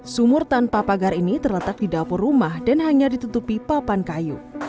sumur tanpa pagar ini terletak di dapur rumah dan hanya ditutupi papan kayu